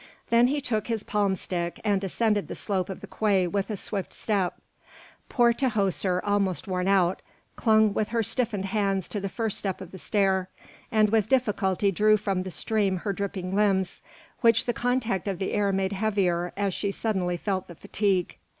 Then he took his palm stick and ascended the slope of the quay with a swift step. Poor Tahoser, almost worn out, clung with her stiffened hands to the first step of the stair, and with difficulty drew from the stream her dripping limbs, which the contact of the air made heavier as she suddenly felt the fatigue.